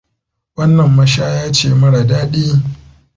Wannan mashaya ce mara daɗi.